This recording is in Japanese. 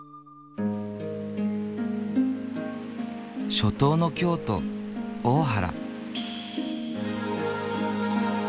初冬の京都大原。